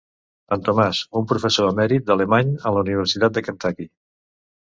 En Tomàs, un professor emèrit d'alemany a l'Universitat de Kentucky.